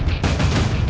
aku akan menang